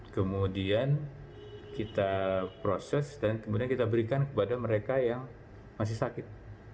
kemudian kita proses dan kemudian kita berikan kepada mereka yang masih sakit